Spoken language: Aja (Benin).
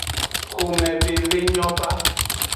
Xomeveve nyo ba.